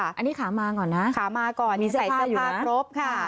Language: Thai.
อันนี้ขามาก่อนนะขามาก่อนมีเสื้อผ้าอยู่นะใส่เสื้อผ้าครบค่ะ